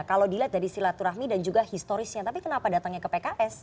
kalau dilihat dari silaturahmi dan juga historisnya tapi kenapa datangnya ke pks